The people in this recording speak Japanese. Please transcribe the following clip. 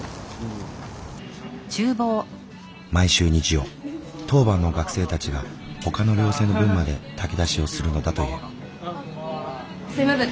毎週日曜当番の学生たちがほかの寮生の分まで炊き出しをするのだという。